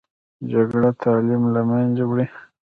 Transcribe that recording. جګړه تعلیم له منځه وړي